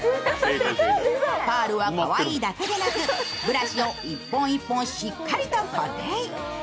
パールはかわいいだけでなく、ブラシを１本１本しっかりと固定。